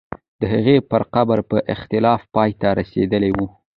د هغې پر قبر به اختلاف پای ته رسېدلی وو.